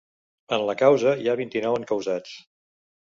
En la causa hi ha vint-i-nou encausats.